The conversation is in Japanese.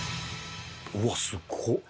うわすごっ。